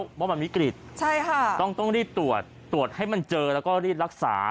เพราะว่ามันมีกฤตต้องรีดตรวจตรวจให้มันเจอแล้วก็รีดรักษา